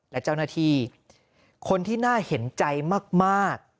และเจ้าหน้าที่คนที่น่าเห็นใจมาก